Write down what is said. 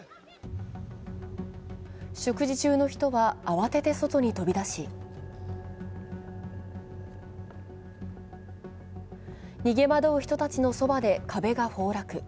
食事中の人は慌てて外に飛び出し逃げ惑う人たちのそばで壁が崩落。